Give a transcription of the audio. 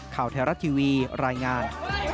ข่าวเทราะทีวีรายงาน